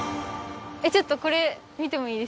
ちょっとこれ見てもいいですか？